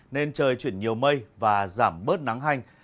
nên trời chuyển nhiều mây và giảm bớt nắng hanh